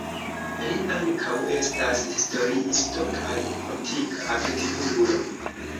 Li ankaŭ estas historiisto kaj politika aktivulo.